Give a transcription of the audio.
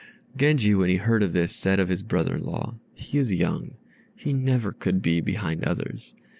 Genji, when he heard of this, said of his brother in law, "He is young; he never could be behind others."